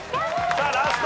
さあラスト。